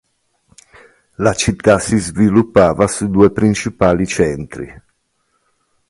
La città si sviluppava su due principali centri.